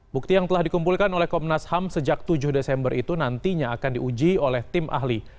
bukti yang telah dikumpulkan oleh komnas ham sejak tujuh desember itu nantinya akan diuji oleh tim ahli